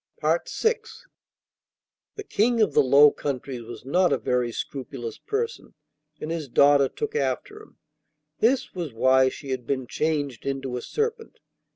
VI The King of the Low Countries was not a very scrupulous person, and his daughter took after him. This was why she had been changed into a serpent.